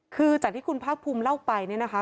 คือจากที่คุณภาคภูมิเล่าไปเนี่ยนะคะ